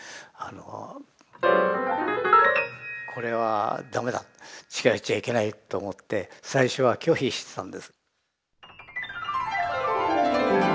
これはダメだ近寄っちゃいけないと思って最初は拒否してたんです。